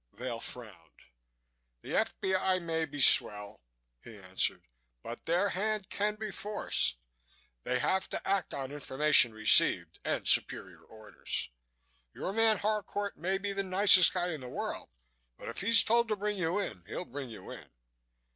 Vail frowned. "The F.B.I. may be swell," he answered, "but their hand can be forced. They have to act on information received and superior orders. Your man Harcourt may be the nicest guy in the world but if he's told to bring you in he'll bring you in."